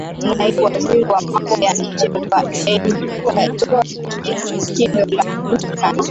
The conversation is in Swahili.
naibu waziri wa mambo ya nje wa ecuador kindo lukan